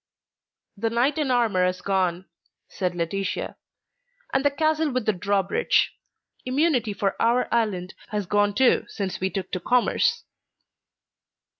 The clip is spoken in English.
"The knight in armour has gone," said Laetitia, "and the castle with the draw bridge. Immunity for our island has gone too since we took to commerce."